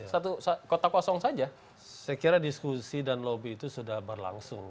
saya kira diskusi dan lobby itu sudah berlangsung